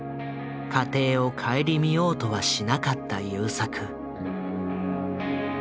家庭を顧みようとはしなかった優作。